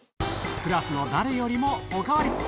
クラスの誰よりもお代わり。